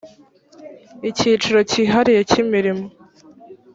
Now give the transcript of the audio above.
icyiciro cyihariye cy imirimo